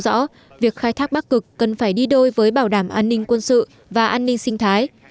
rõ việc khai thác bắc cực cần phải đi đôi với bảo đảm an ninh quân sự và an ninh sinh thái